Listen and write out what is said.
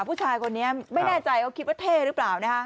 ผู้ชายคนนี้ไม่แน่ใจเขาคิดว่าเท่หรือเปล่านะคะ